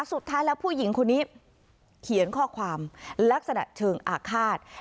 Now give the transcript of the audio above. สุดท้ายแล้วผู้หญิงคนนี้เขียนข้อความลักษณะเชิงอาฆาต